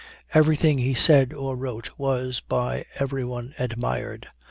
Every thing he said or wrote was by every one admired.